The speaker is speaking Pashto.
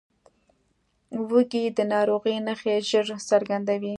وزې د ناروغۍ نښې ژر څرګندوي